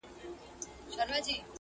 له بېکاره، خداى بېزاره.